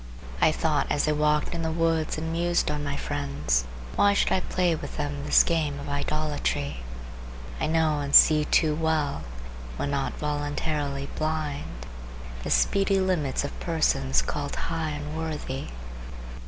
I thought as I walked in the woods and mused on my friends, why should I play with them this game of idolatry? I know and see too well, when not voluntarily blind, the speedy limits of persons called high and worthy.